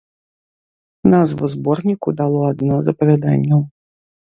Назву зборніку дало адно з апавяданняў.